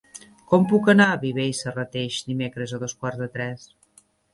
Com puc anar a Viver i Serrateix dimecres a dos quarts de tres?